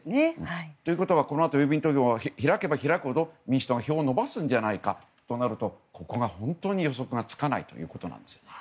ということはこのあと郵便投票が開けば開くほど民主党が票を伸ばすんじゃないかとなると予測がつかないということです。